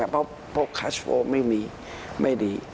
เพราะคาชโฟล์ไม่มีไม่ดี